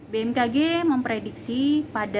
bmkg memprediksi pada